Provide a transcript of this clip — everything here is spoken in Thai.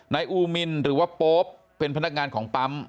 อูมินหรือว่าโป๊ปเป็นพนักงานของปั๊ม